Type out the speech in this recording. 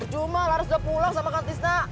cuma laras udah pulang sama kak tista